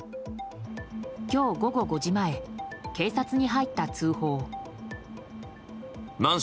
今日午後５時前警察に入った通報。